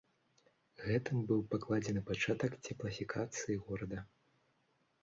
Гэтым быў пакладзены пачатак цеплафікацыі горада.